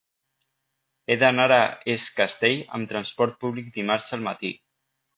He d'anar a Es Castell amb transport públic dimarts al matí.